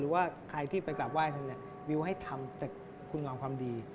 หรือว่าใครที่ไปกราบไหว้เธอบิ้วให้ทำแต่คุณรองความดี